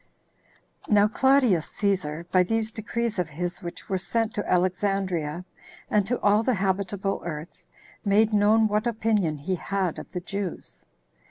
1. Now Claudius Cæsar, by these decrees of his which were sent to Alexandria, and to all the habitable earth, made known what opinion he had of the Jews.